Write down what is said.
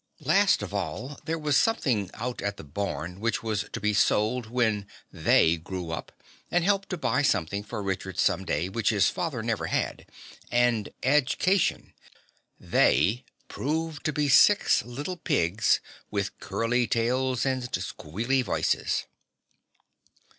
Last of all there was something out at the barn which was to be sold when "they" grew up and help to buy something for Richard some day which his fathers never had "an edge cation." "They" proved to be six little pigs with curly tails and squealy voices.